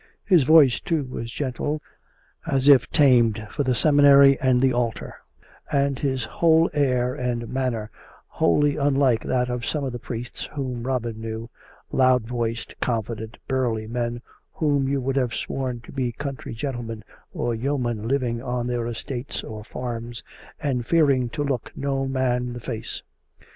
His voice, too, was gentle, as if tamed for the s'eminary and the altar; and his whole air and manner wholly unlike that of some of the priests whom Robin knew — loud voiced, confident, burly men whom you would have sworn to be country gentlemen or yeomen living on their estates or farms and fearing to look no man in the face.